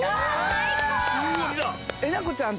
最高。